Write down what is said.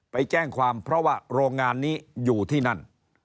ไปแจ้งความเพราะว่าโรงงานนี้อยู่ที่นั่น